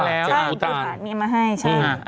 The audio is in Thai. ใช่ภูทานนี้มาให้ใช่